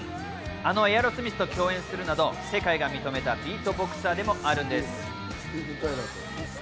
あのエアロスミスと共演するなど世界が認めたビートボクサーでもあるんです。